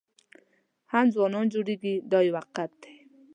هم ځوانان جوړېږي دا یو حقیقت دی.